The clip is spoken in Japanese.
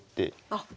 あっ。